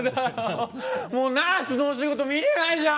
もう「ナースのお仕事」見れないじゃん！